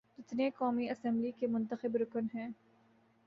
جتنے قومی اسمبلی کے منتخب رکن ہیں۔